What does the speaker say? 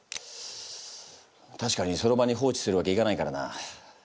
たしかにその場に放置するわけいかないからな。